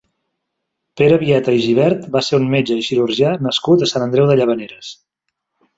Pere Vieta i Gibert va ser un metge i cirurgià nascut a Sant Andreu de Llavaneres.